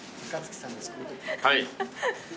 はい。